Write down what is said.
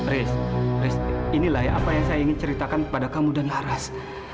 riz riz inilah yang apa yang saya ingin ceritakan kepada kamu dan laras